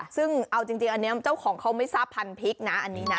ซึ่งเอาจริงอันนี้เจ้าของเขาไม่ทราบพันธุ์พริกนะอันนี้นะ